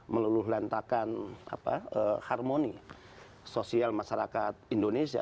meluluh lantakan harmoni sosial masyarakat indonesia